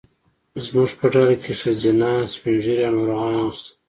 زموږ په ډله کې ښځینه، سپین ږیري او ناروغان هم شته.